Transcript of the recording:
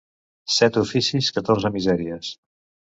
Set oficis, catorze misèries.